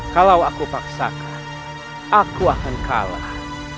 kalau aku paksakan aku akan kalah